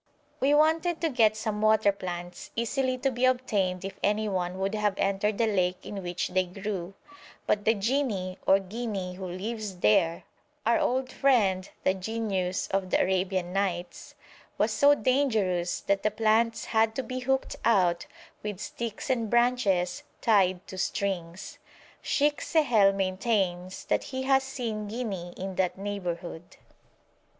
We wanted to get some water plants, easily to be obtained if anyone would have entered the lake in which they grew, but the jinni or ghinni who lives there (our old friend the Genius of the 'Arabian Nights') was so dangerous that the plants had to be hooked out with sticks and branches tied to strings. Sheikh Sehel maintains that he has seen ghinni in that neighbourhood.